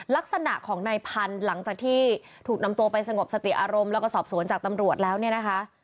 ลักษณะของนายพันธุ์หลังจากที่ถูกนำตัวไปสงบสติอารมณ์แล้วก็สอบสวนจากตำรวจแล้วเนี่ยนะคะ